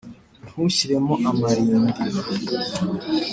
ntushyiremo amarindira,